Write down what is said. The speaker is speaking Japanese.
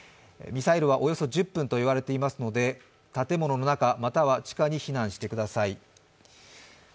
ミサイルはおよそ１０分といわれていますので、建物の中、または地下に避難してください。